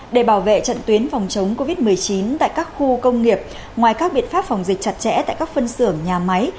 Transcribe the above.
để bảo vệ trận tuyến phòng chống covid một mươi chín tại các khu công nghiệp ngoài các biện pháp phòng dịch chặt chẽ tại các phân xưởng nhà máy